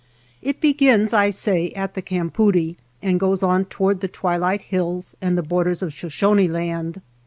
It begins, I say, at the campoodie, and goes on toward the twilight hills and the borders of Shoshone Land.